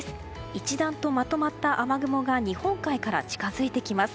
一段とまとまった雨雲が日本海から近づいてきます。